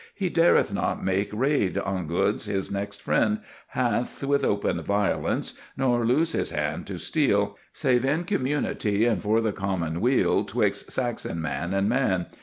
He dareth not make raid on goods his next friend hath With open violence, nor loose his hand to steal, Save in community and for the common weal 'Twixt Saxon man and man.